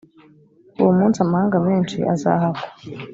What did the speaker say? uwo munsi amahanga menshi azahakwa